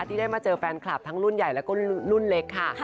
ที่ได้มาเจอแฟนคลับทั้งรุ่นใหญ่แล้วก็รุ่นเล็กค่ะ